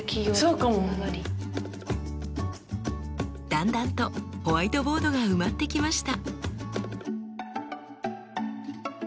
だんだんとホワイトボードが埋まってきました。